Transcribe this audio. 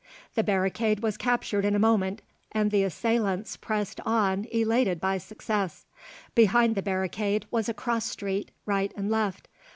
The barricade was captured in a moment, and the assailants pressed on elated by success. Behind the barricade was a cross street, right and left.